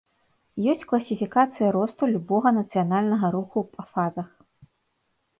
Ёсць класіфікацыя росту любога нацыянальнага руху па фазах.